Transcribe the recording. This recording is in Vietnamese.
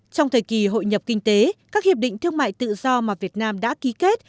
trong thời kỳ hội nhập kinh tế các hiệp định thương mại tự do mà việt nam đã ký kết